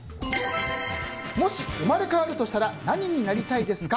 もし生まれ変わるとしたら何になりたいですか？